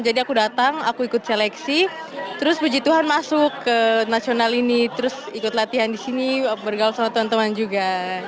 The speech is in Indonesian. jadi aku datang aku ikut seleksi terus puji tuhan masuk ke nasional ini terus ikut latihan disini bergaul sama teman teman juga